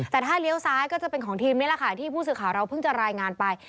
แต่ถ้าเลี้ยวซ้ายก็จะเป็นของทีมนี่แหละค่ะที่ผู้สื่อข่าวเราเพิ่งจะรายงานไป